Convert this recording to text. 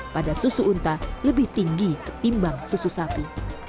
pada susu unta lebih tinggi ketimbang susu sapi